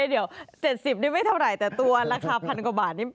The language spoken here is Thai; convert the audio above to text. เดี๋ยว๗๐นี่ไม่เท่าไหร่แต่ตัวราคาพันกว่าบาทนี่